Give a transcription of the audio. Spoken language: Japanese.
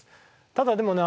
ただでもね